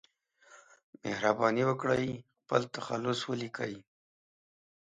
مهرباني وکړئ خپل تخلص ولیکئ